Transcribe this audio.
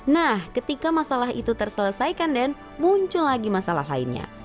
nah ketika masalah itu terselesaikan dan muncul lagi masalah lainnya